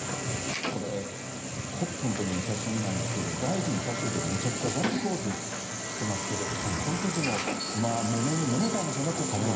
これ、ＣＯＰのときの写真なんですけど、大臣差し置いてめちゃくちゃガッツポーズしてますけど、このときもまあ、もめにもめたんでしょうね、ＣＯＰで。